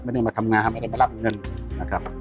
ไม่ได้มาทำงานไม่ได้มารับเงินนะครับ